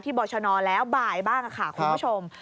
บรชนแล้วบ่ายบ้างค่ะคุณผู้ชม